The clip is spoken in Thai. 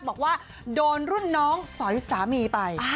บอกว่าโดนรุ่นน้องสอยสามีไป